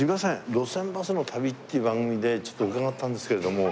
『路線バスの旅』っていう番組でちょっと伺ったんですけれども。